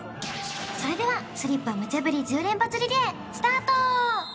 それではスリッパ無茶振り１０連発リレースタート！